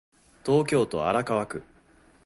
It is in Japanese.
東京都荒川区